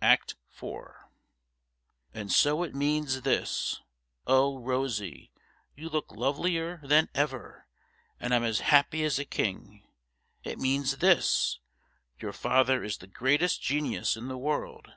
Act IV 'And so it means this. Oh, Rosie, you look lovelier than ever, and I'm as happy as a king. It means this. Your father is the greatest genius in the world.